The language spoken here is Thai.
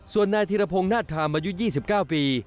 ส่วนนายธิรพงศ์หน้าทามอายุยี่สิบเก้าปี